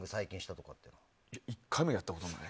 １回もやったことない。